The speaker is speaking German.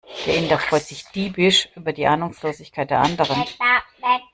Der Inder freut sich diebisch über die Ahnungslosigkeit der anderen.